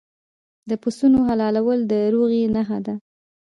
د پسونو حلالول د روغې نښه ده.